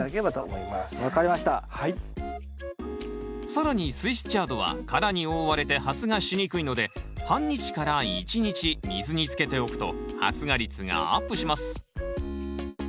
更にスイスチャードは殻に覆われて発芽しにくいので半日から１日水につけておくと発芽率がアップします。